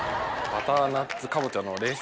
バターナッツかぼちゃの。